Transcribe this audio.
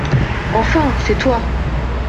Enfin, c’est toi !